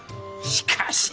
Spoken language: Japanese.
しかし。